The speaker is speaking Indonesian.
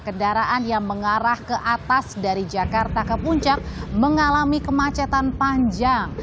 kendaraan yang mengarah ke atas dari jakarta ke puncak mengalami kemacetan panjang